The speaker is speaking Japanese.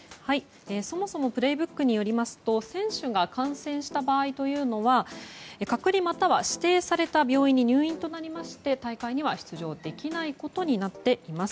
そもそも「プレイブック」によりますと、選手が感染した場合というのは隔離または指定された病院に入院となりまして、大会には出場できないことになっています。